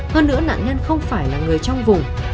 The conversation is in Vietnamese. hơn nữa nạn nhân không phải là người trong vùng